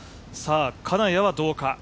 金谷はどうか？